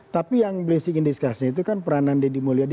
tapi yang berisik indiskasinya itu kan peranan deddy mulyadi